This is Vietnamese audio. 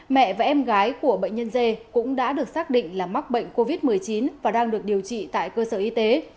mẹ và em gái của bệnh nhân dê cũng đã được xác định là mắc bệnh covid một mươi chín và đang được điều trị tại cơ sở y tế